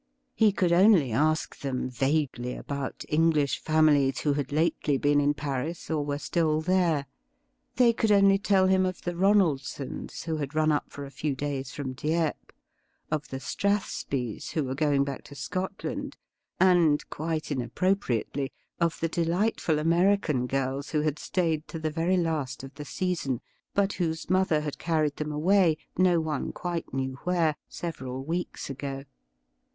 He could only ask them vaguely about English famihes who had lately been in Paris or were stiU there. They could only tell him of the Ronaldsons, who had run up for a few days from Dieppe; of the Strathsbys, who were going back to Scotland; and, quite inappropriately, of the delightful American girls who had stayed to the very last of the season, but whose mother had carried them away, no one quite knew where, several weeks ago.